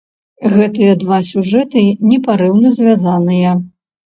Гэтыя два сюжэты непарыўна звязаныя.